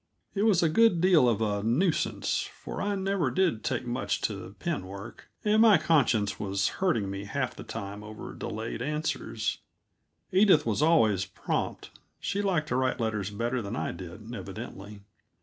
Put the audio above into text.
It was a good deal of a nuisance, for I never did take much to pen work, and my conscience was hurting me half the time over delayed answers; Edith was always prompt; she liked to write letters better than I did, evidently.